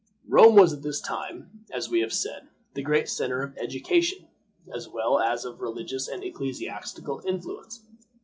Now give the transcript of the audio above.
Rome was at this time, as we have said, the great center of education, as well as of religious and ecclesiastical influence.